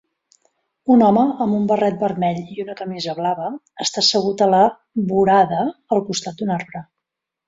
Un home amb un barret vermell i una camisa blava està assegut a la vorada al costat d"un arbre.